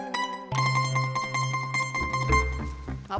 tidak ada yang bisa ngaji